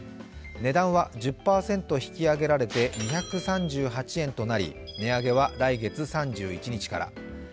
値段は１０％引き上げられて２３８円となり値上げは来月３１日から。